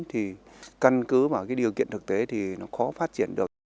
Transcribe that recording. thì căn cứ vào cái điều kiện thực tế thì nó khó phát triển được